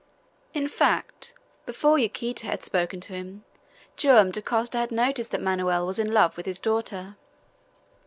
In fact, before Yaquita had spoken to him, Joam Dacosta had noticed that Manoel was in love with his daughter.